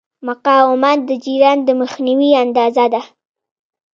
مقاومت د جریان د مخنیوي اندازه ده.